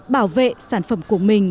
bảo vệ sản phẩm của mình